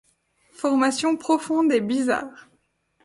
Formation profonde et bizarre.